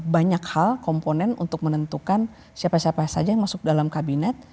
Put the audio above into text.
banyak hal komponen untuk menentukan siapa siapa saja yang masuk dalam kabinet